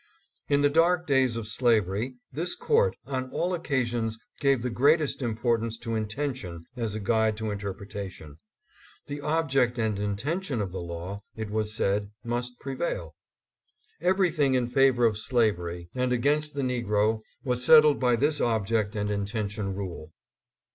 In the dark days of slavery this court on all occa sions gave the greatest importance to intention as a guide to interpretation. The object and intention of the law, it was said, must prevail. Everything in favor of slavery and against the negro was settled by this object and intention rule.